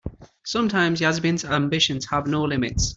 Sometimes Yasmin's ambitions have no limits.